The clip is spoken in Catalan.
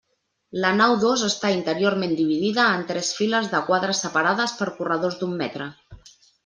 La nau dos està interiorment dividida en tres files de quadres separades per corredors d'un metre.